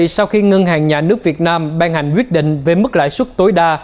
sau khi ngân hàng nhà nước việt nam ban hành quyết định về mức lãi suất tối đa